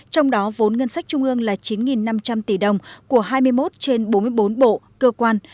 trong đó vốn ngân sách trung ương là chín năm trăm linh tỷ đồng của hai mươi một trên bốn mươi bốn bộ cơ quan